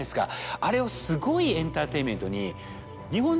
あれをすごいエンターテインメントに。